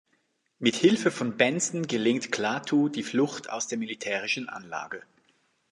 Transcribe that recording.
Mit Hilfe von Benson gelingt Klaatu die Flucht aus der militärischen Anlage.